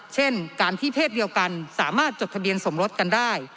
เช่นการที่เพศเดียวกันสามารถจดทะเบียนสมรสกันได้